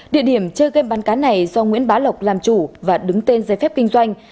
địa điểm chơi game bắn cá này do nguyễn bá lộc làm chủ và đứng tên giấy phép kinh doanh